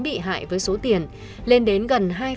bị hại với số tiền lên đến gần